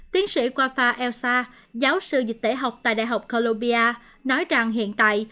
tiến sĩ kwafa elsa giáo sư dịch tế học tại đại học columbia nói rằng hiện tại